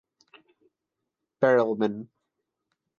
Perelman.